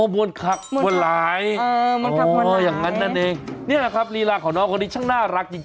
มวลคักมวลหลายอย่างนั้นนั่นเองนี่แหละครับลีลาของน้องคนนี้ช่างน่ารักจริง